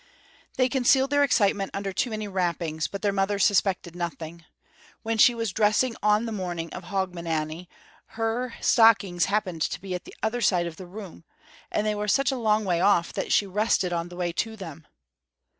They concealed their excitement under too many wrappings, but their mother suspected nothing. When she was dressing on the morning of Hogmanay, her stockings happened to be at the other side of the room, and they were such a long way off that she rested on the way to them.